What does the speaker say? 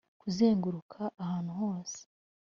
'kuzenguruka ahantu hose